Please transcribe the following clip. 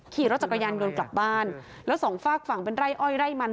ขี่รถจักรยานยนต์กลับบ้านแล้วสองฝากฝั่งเป็นไร่อ้อยไร่มัน